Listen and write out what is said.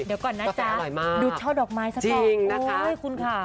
เดี๋ยวก่อนนะจ๊ะดูช่อดอกไม้ซะก่อนโอ้ยคุณค่ะ